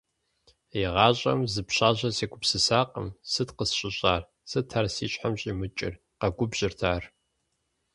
ИгъащӀэм зы пщащэ сегупсысакъым, сыт къысщыщӀар, сыт ар си щхьэм щӀимыкӀыр? - къэгубжьырт ар.